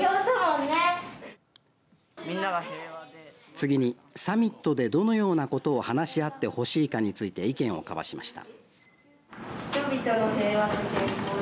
次にサミットでどのようなことを話し合ってほしいかについて意見を交わしました。